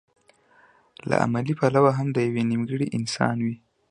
له عملي پلوه هم دی يو نيمګړی انسان وي.